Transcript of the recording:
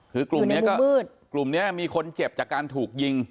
คือกลุ่มนี้ก็มืดกลุ่มนี้มีคนเจ็บจากการถูกยิง